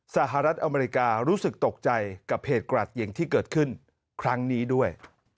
สหรัฐอเมริการู้สึกตกใจกับเหตุกราดยิงที่เกิดขึ้นครั้งนี้ด้วย